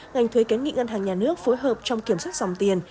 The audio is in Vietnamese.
ngành thuế kiến nghị ngân hàng nhà nước phối hợp trong kiểm soát dòng tiền